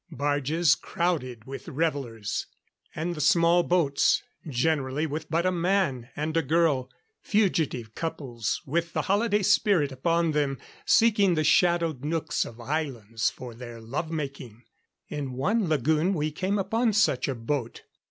Barges crowded with revelers. And the small boats, generally with but a man and a girl fugitive couples with the holiday spirit upon them, seeking the shadowed nooks of islands for their love making. In one lagoon we came upon such a boat.